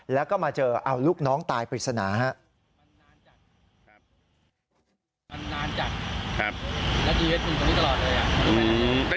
แล้วก็มาเจอเอาลูกน้องตายปริศนาครับ